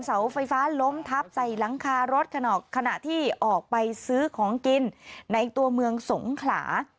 เสาไฟฟ้าล้มทับใส่หลังคารถขณะที่ออกไปซื้อของกินในตัวเมืองสงขลา